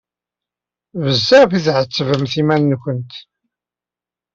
Bezzaf i tḥettbemt iman-nkent!